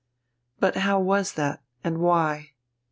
But how was that, and why?